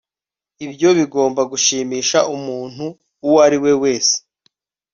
Ibyo bigomba gushimisha umuntu uwo ari we wese